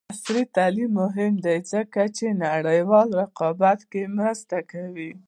عصري تعلیم مهم دی ځکه چې نړیوال رقابت کې مرسته کوي.